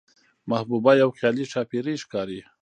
محبوبه يوه خيالي ښاپېرۍ ښکاري،